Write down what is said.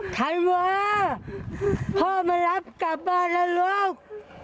ไทยเวอร์พ่อมารับกลับบ้านแล้วลูก